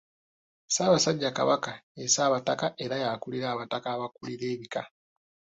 Ssaabasajja Kabaka ye Ssaabataka era y'akulira abataka abakulira ebika.